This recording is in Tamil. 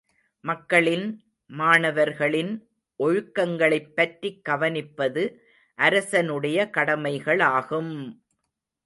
மக்களின், மாணவர்களின் ஒழுக்கங்களைப் பற்றிக் கவனிப்பது, அரசனுடைய கடமைகளாகும்!